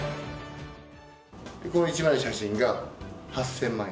この一枚の写真が８０００万円。